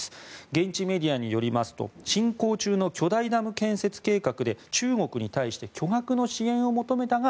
現地メディアによりますと進行中の巨大ダム建設計画で中国に対して巨額の支援を求めたが